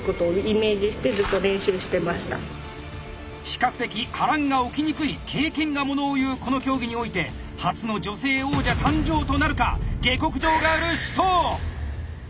比較的波乱が起きにくい経験がものをいうこの競技において初の女性王者誕生となるか⁉下克上ガール紫桃！